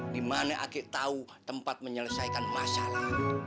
di mana akik tahu tempat menyelesaikan masalah